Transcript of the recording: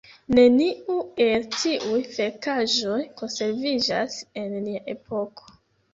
Neniu el tiuj verkaĵoj konserviĝas en nia epoko.